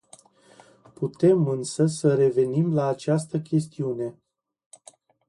Putem însă să revenim la această chestiune.